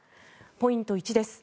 ポイント１です。